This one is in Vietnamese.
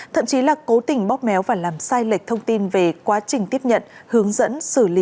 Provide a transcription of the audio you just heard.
thậm chí là cố tình bóp méo và làm sai lệch thông tin về quá trình tiếp nhận hướng dẫn xử lý